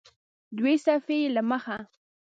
دوه صفحې یې له مخه